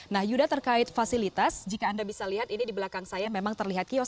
nah yuda terkait fasilitas jika anda bisa lihat ini di belakang saya memang terlihat kios